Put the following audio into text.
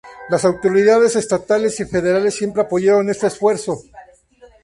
Las autoridades estatales y federales siempre apoyaron este esfuerzo.